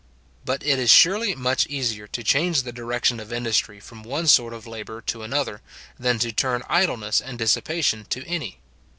But it is surely much easier to change the direction of industry from one sort of labour to another, than to turn idleness and dissipation to any.